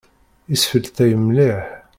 Isfalṭay mliḥ.